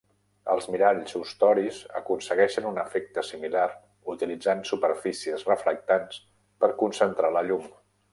Els miralls ustoris aconsegueixen un efecte similar utilitzant superfícies reflectants per concentrar la llum.